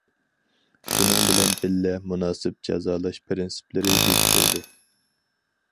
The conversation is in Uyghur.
شۇنىڭ بىلەن بىللە، مۇناسىپ جازالاش پىرىنسىپلىرى بېكىتىلدى.